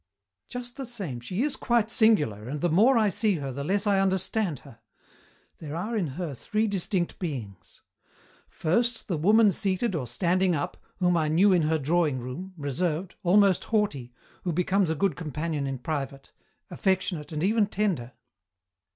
"Just the same, she is quite singular, and the more I see her the less I understand her. There are in her three distinct beings. "First the woman seated or standing up, whom I knew in her drawing room, reserved, almost haughty, who becomes a good companion in private, affectionate and even tender.